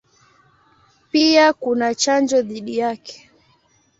Pia kuna chanjo dhidi yake.